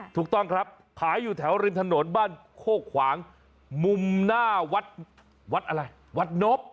ถูกต้องครับขายอยู่แถวริมถนนบ้านโคกขวางมุมหน้าวัดวัดอะไรวัดนบ